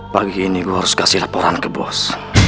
pagi ini lo harus kasih laporan ke bos